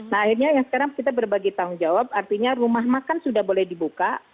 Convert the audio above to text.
nah akhirnya yang sekarang kita berbagi tanggung jawab artinya rumah makan sudah boleh dibuka